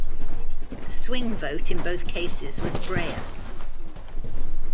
The "swing vote" in both cases was Breyer.